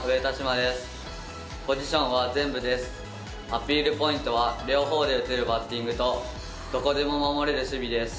アピールポイントは両方で打てるバッティングとどこでも守れる守備です。